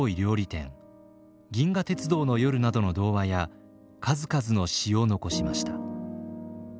「銀河鉄道の夜」などの童話や数々の詩を残しました。